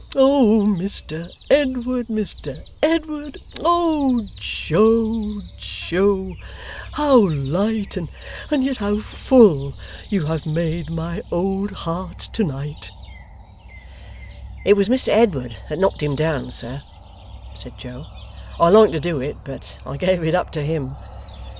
Oh, Mr Edward, Mr Edward oh, Joe, Joe, how light, and yet how full, you have made my old heart to night!' 'It was Mr Edward that knocked him down, sir,' said Joe: 'I longed to do it, but I gave it up to him.